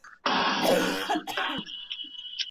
که موږ ټول پوه شو نو په هېواد کې به عدالت ټینګ شي.